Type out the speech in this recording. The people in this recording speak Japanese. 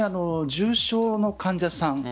重症の患者さん